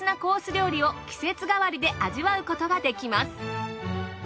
料理を季節がわりで味わうことができます。